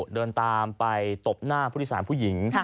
เดินตามไปตบหน้าผู้โดยสารผู้หญิง